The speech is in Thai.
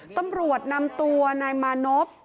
ตำรวจนำตัวนายมานพ